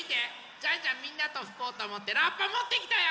ジャンジャンみんなとふこうとおもってラッパもってきたよ！